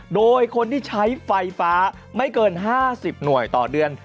โดยคนที่ใช้ไฟฟ้าไม่เกิน๕๐หน่วยต่อเดือน